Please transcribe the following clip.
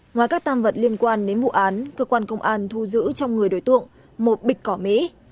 ngoài các tam vật liên quan đến vụ án cơ quan công an thu giữ trong người đối tượng một bịch cỏ mỹ